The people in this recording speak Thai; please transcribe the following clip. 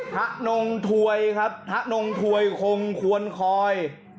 นงถวยครับพระนงถวยคงควรคอย